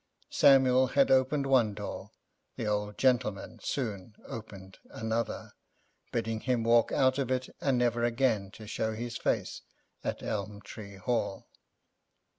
Samuel had opened one door, the old gentleman soon opened another, bidding him walk out of it, and never again to show his face at Elm Tree Hall.